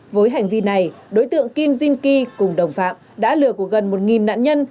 với hành vi này đối tượng kim jin ki cùng đồng phạm đã lừa của gần một nạn nhân